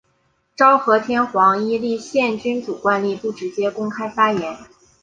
昭和天皇依立宪君主惯例不直接公开发言。